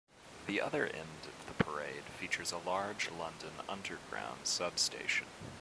The other end of the parade features a large London Underground sub-station.